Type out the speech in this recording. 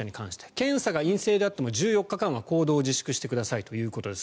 検査が陰性であっても１４日間は行動を自粛してくださいということです。